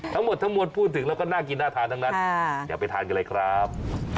ทั้งหมดพูดถึงแล้วก็น่ากินน่าทานทั้งอย่าไปทานกันเลยครับ